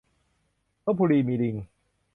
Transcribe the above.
ลพบุรีมีลิง !